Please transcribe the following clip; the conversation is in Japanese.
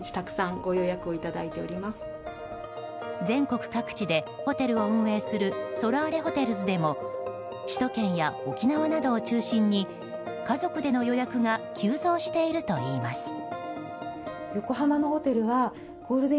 全国各地でホテルを運営するソラーレホテルズでも首都圏や沖縄などを中心に家族での予約が急増しているといいます。